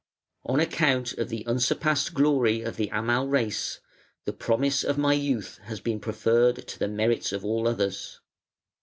"On account of the unsurpassed glory of the Amal race, the promise of my youth has been preferred to the merits of all others.